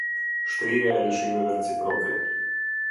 Shtrirja e lëshimeve reciproke.